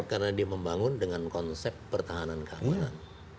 karena di pembangun dengan konsep pertahanan keamanan